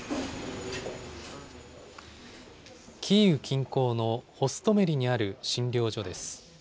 キーウ近郊のホストメリにある診療所です。